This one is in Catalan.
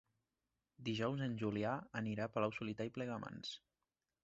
Dijous en Julià anirà a Palau-solità i Plegamans.